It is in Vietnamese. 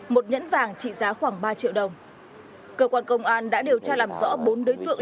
một nhẫn vàng trị giá khoảng ba triệu đồng cơ quan công an đã điều tra làm rõ bốn đối tượng